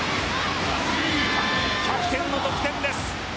キャプテンの得点です。